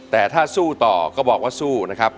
แต่ถ้าสู้ต่อก็บอกว่าสู้นะครับ